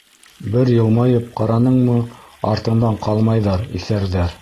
Бер йылмайып ҡараныңмы -артыңдан ҡалмайҙар, иҫәрҙәр!